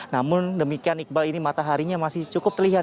namun demikian iqbal ini mataharinya masih cukup terlihat